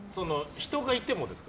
人がいてもですか？